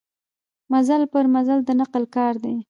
مزل پر مزل د نقل کار دی.